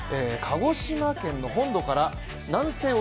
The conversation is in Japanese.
鹿児島県本土から南西